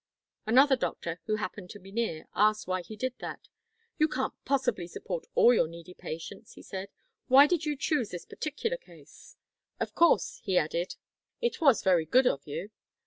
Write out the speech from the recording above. Another doctor, who happened to be near, asked why he did that. 'You can't possibly support all your needy patients,' he said; 'why did you choose this particular case? Of course,' he added, 'it was very good of you.'